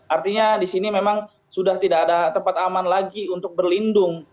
artinya di sini memang sudah tidak ada tempat aman lagi untuk berlindung